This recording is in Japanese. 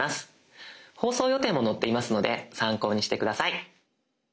放送予定も載っていますので参考にして下さい。